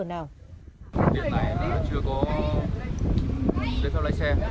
điện này nó chưa có giấy phép lái xe